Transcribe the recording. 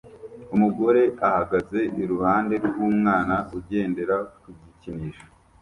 Umugore ahagaze iruhande rw'umwana ugendera ku gikinisho